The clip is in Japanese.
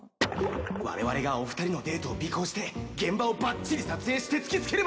われわれがお二人のデートを尾行して現場をばっちり撮影して突き付ければ